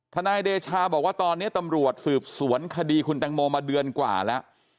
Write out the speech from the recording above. นายเดชาบอกว่าตอนนี้ตำรวจสืบสวนคดีคุณแตงโมมาเดือนกว่าแล้ว